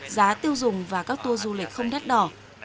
giá tiêu dùng và các tour du lịch không đắt đỏ